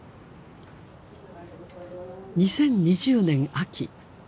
２０２０年秋。